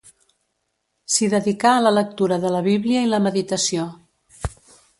S'hi dedicà a la lectura de la Bíblia i la meditació.